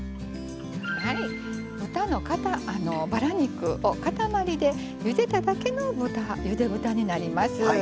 豚のばら肉を塊でゆでただけのゆで豚になります。